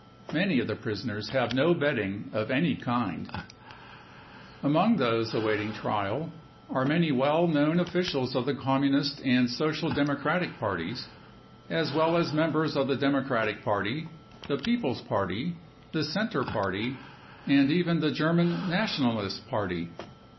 Many of the prisoners have no bedding of any kind. THE CONCENTRATION CAMPS 3II Among those awaiting trial are many well known officials of the Communist and Social Democratic Parties, as well as members of the Democratic Party, the People's Party, the Centre Party and even the German Nationalist Party.